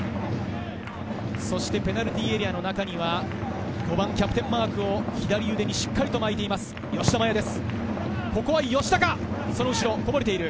そしてペナルティーエリアの中には５番、キャプテンマークを左腕にしっかり巻いている吉田麻也です。